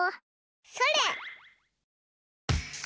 それ！